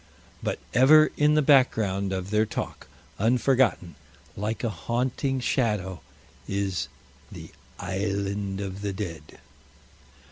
But ever in the background of their talk, unforgotten, like a haunting shadow, is the "Island of the Dead."